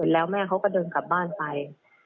แล้วแม่เขาก็เดินกลับบ้านไป